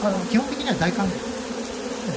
基本的には大歓迎です。